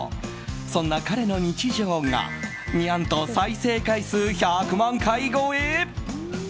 そんな彼の日常が、ニャンと再生回数１００万回超え！